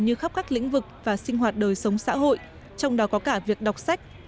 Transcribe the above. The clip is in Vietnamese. như khắp các lĩnh vực và sinh hoạt đời sống xã hội trong đó có cả việc đọc sách